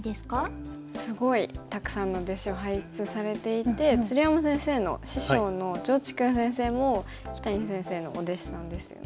すごいたくさんの弟子を輩出されていて鶴山先生の師匠の趙治勲先生も木谷先生のお弟子さんですよね。